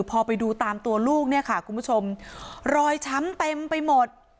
พอไปดูตามตัวลูกเนี่ยค่ะคุณผู้ชมรอยช้ำเต็มไปหมด